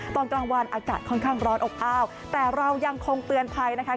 ตอนกลางวันอากาศค่อนข้างร้อนอบอ้าวแต่เรายังคงเตือนภัยนะคะ